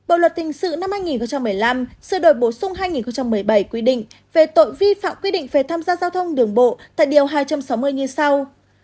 bộ luật hình sự năm hai nghìn một mươi năm sự đổi bổ sung hai nghìn một mươi bảy quy định về tội vi phạm quy định về tham gia giao thông đường bộ tại điều hai trăm sáu mươi như sau